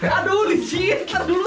terdulu sakit aduh